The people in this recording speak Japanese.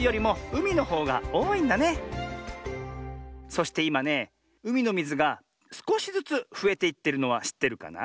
そしていまねうみのみずがすこしずつふえていってるのはしってるかな？